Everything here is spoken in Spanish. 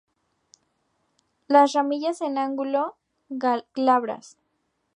Las ramillas en ángulo, glabras.